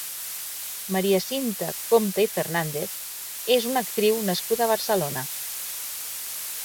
Maria Cinta Compta i Fernández és una actriu nascuda a Barcelona.